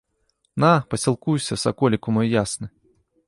На, пасілкуйся, саколіку мой ясны!